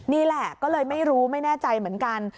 นี่แหละก็เลยไม่รู้ไม่แน่ใจเหมือนกัน